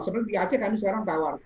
sebelum di aceh kami sekarang tawar